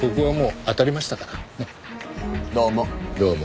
どうも。